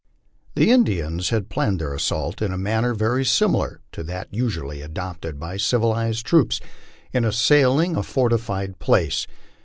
The Indians had planned their assault in a manner very similar to that usually adopted by civilized troops in assailing a fortified place.